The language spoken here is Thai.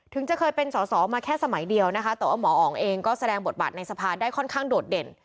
จะเคยเป็นสอสอมาแค่สมัยเดียวนะคะแต่ว่าหมออ๋องเองก็แสดงบทบาทในสภาได้ค่อนข้างโดดเด่น